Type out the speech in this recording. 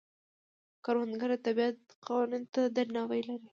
کروندګر د طبیعت قوانینو ته درناوی لري